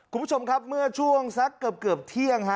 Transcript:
คุณผู้ชมครับเมื่อช่วงสักเกือบเที่ยง